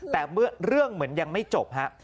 แต่เรื่องเหมือนยังไม่จบครับ